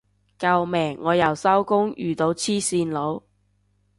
救命我又收工遇到黐線佬